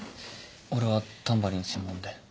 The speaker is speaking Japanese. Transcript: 俺はタンバリン専門で。